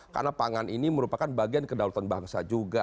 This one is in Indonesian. karena pangan ini merupakan bagian kedalutan bangsa juga